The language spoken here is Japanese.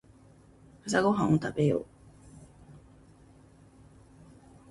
朝ごはんを食べよう。